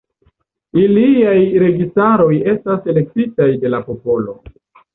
Iliaj registaroj estas elektitaj de la popolo.